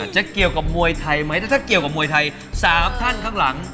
จะเกี่ยวกับมวยไทยไหมถ้าเกี่ยวกับมวยไทย๓ท่านข้างหลัง